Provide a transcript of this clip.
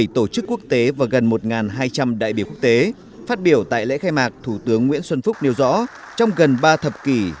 một mươi tổ chức quốc tế và gần một hai trăm linh đại biểu quốc tế phát biểu tại lễ khai mạc thủ tướng nguyễn xuân phúc nêu rõ trong gần ba thập kỷ